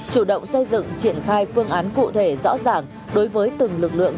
chủ động xây dựng triển khai phương án cụ thể rõ ràng đối với từng lực lượng